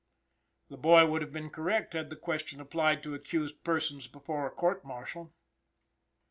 The boy would have been correct had the question applied to accused persons before a court martial.